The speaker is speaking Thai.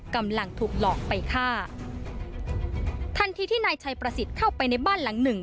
กำลังถูกหลอกไปฆ่าทันทีที่นายชัยประสิทธิ์เข้าไปในบ้านหลังหนึ่ง